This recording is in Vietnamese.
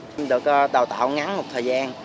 mình được đào tạo ngắn một thời gian